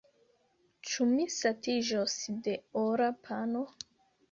Ĉu mi satiĝos de ora pano?